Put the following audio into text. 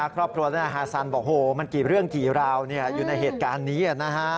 ครอบครัวนายฮาซันบอกมันกี่เรื่องกี่ราวอยู่ในเหตุการณ์นี้